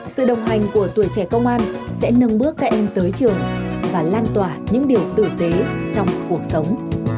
sự đồng hành của tuổi trẻ công an sẽ nâng bước các em tới trường và lan tỏa những điều tử tế trong cuộc sống